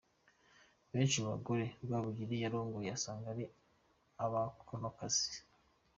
Benshi mu bagore Rwabugili yarongoye usanga ari abakonokazi.